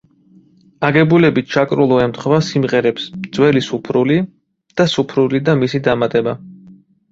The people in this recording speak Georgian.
აგებულებით ჩაკრულო ემთხვევა სიმღერებს „ძველი სუფრული“ და „სუფრული და მისი დამატება“.